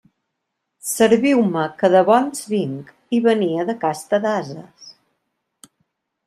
Serviu-me, que de bons vinc; i venia de casta d'ases.